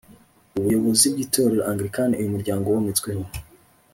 Ubuyobozi bw’Itorero Anglikani uyu muryango wometsweho